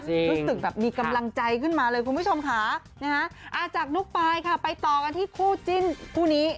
รู้สึกแบบมีกำลังใจขึ้นมาเลยคุณผู้ชมค่ะนะฮะจากนุ๊กปายค่ะไปต่อกันที่คู่จิ้นคู่นี้